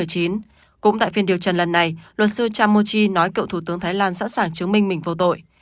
cũng tại phiên điều trần lần này luật sư chamuchi nói cựu thủ tướng thái lan sẵn sàng chứng minh mình vô tội